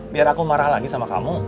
biar aku marah lagi sama kamu